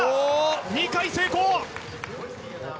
２回成功。